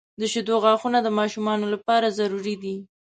• د شیدو غاښونه د ماشومانو لپاره ضروري دي.